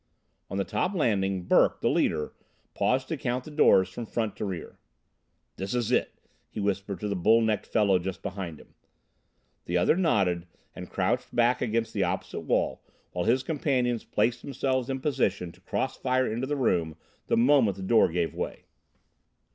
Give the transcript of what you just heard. On the top landing Burke, the leader, paused to count the doors from front to rear. "This is it," he whispered to the bull necked fellow just behind him. The other nodded, and crouched back against the opposite wall while his companions placed themselves in position to cross fire into the room the moment the door gave way.